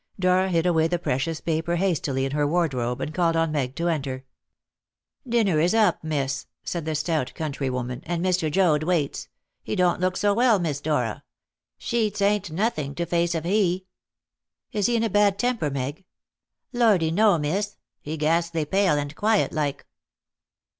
Dora hid away the precious paper hastily in her wardrobe, and called on Meg to enter. "Dinner is up, miss," said the stout countrywoman, "and Mr. Joad waits. He don't look well, Miss Dora. Sheets ain't nothing to face of he." "Is he in a bad temper, Meg?" "Lordy, no, miss! He ghastly pale and quiet like."